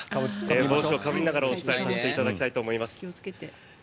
帽子をかぶりながらお伝えさせていただきたいと思います。